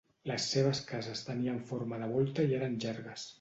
Les seves cases tenien forma de volta i eren llargues.